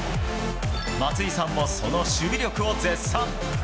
松井さんもその守備力を絶賛。